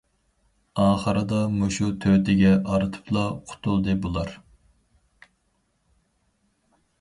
ئاخىردا مۇشۇ تۆتىگە ئارتىپلا قۇتۇلدى بۇلار.